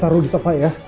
bisa taruh di sofa ya